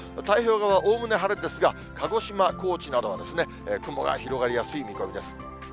太平洋側はおおむね晴れですが、鹿児島、高知などは雲が広がりやすい見込みです。